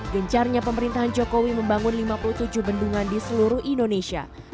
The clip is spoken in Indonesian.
gencarnya pemerintahan jokowi membangun lima puluh tujuh bendungan di seluruh indonesia